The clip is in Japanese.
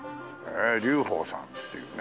龍鳳さんっていうね。